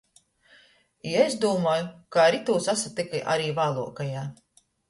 I es dūmoju, ka ar itū sasatyka ari vāluokajā.